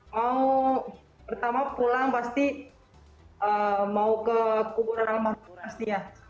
mau pertama pulang pasti mau ke kubur ramah pasti ya